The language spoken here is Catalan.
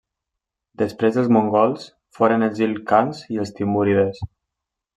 Després dels mongols, foren els Il-khans i els timúrides.